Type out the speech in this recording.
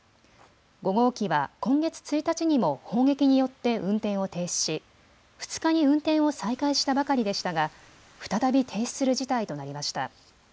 ５号機は今月１日にも砲撃によって運転を停止し２日に運転を再開したばかりでしたが再び停止する事態となりました。